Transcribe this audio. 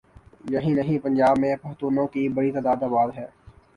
یہی نہیں پنجاب میں پختونوں کی بڑی تعداد آباد ہے۔